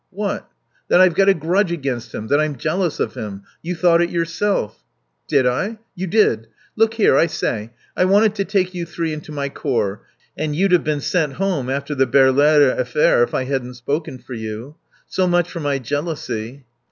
"What?" "That I've got a grudge against him. That I'm jealous of him. You thought it yourself." "Did I?" "You did. Look here, I say I wanted to take you three into my corps. And you'd have been sent home after the Berlaere affair if I hadn't spoken for you. So much for my jealousy."